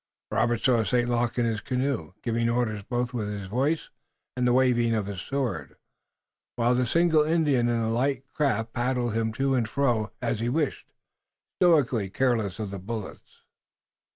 Robert saw St. Luc in his canoe, giving orders both with his voice and the waving of his sword, while the single Indian in the light craft paddled him to and fro as he wished, stoically careless of the bullets.